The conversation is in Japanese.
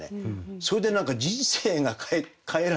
それで何か人生が変えられたという。